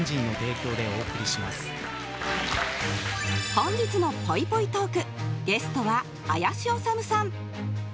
本日のぽいぽいトークゲストは林修さん！